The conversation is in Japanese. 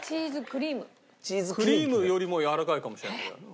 クリームよりもやわらかいかもしれない。